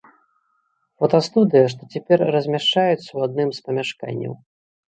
Фотастудыя, што цяпер размяшчаецца ў адным з памяшканняў.